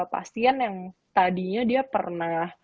pasien yang tadinya dia pernah